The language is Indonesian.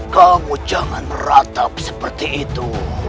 kamu jangan meratap seperti itu